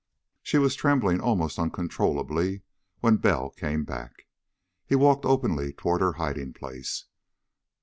She was trembling almost uncontrollably when Bell came back. He walked openly toward her hiding place.